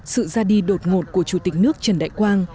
sự ra đi đột ngột của chủ tịch nước trần đại quang